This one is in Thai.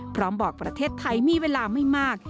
พร้อมบอกประเทศไทยมีเวลาไม่มาก